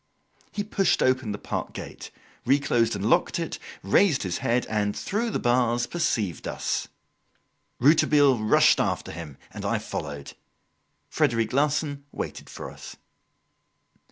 He pushed open the park gate, reclosed and locked it, raised his head and, through the bars, perceived us. Rouletabille rushed after him, and I followed. Frederic Larsan waited for us.